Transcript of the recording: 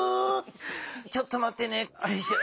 ちょっとまってねよいしょ。